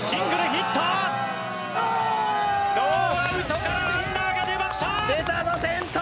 ノーアウトからランナーが出ました。